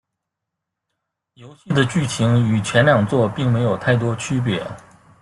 游戏的剧情与前两作并没有太多区别。